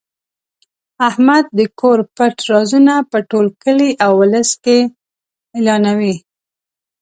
احمد د کور پټ رازونه په ټول کلي اولس کې اعلانوي.